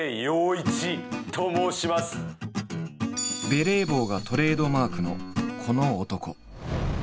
ベレー帽がトレードマークのこの男。